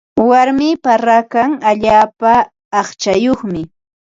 Warmipa rakan allaapa aqchayuqmi.